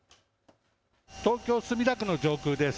東京墨田区の上空です。